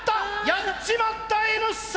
やっちまったＮ産！